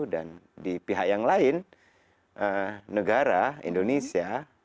dan di pihak yang lain ee negara indonesia